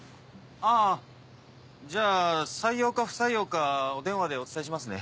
あじゃあ採用か不採用かお電話でお伝えしますね。